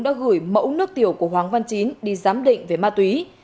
đã gửi mẫu nước tiểu của hoàng văn chín đi giám định về ma túy